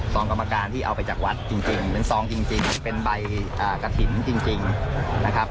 กรรมการที่เอาไปจากวัดจริงเป็นซองจริงเป็นใบกระถิ่นจริงนะครับ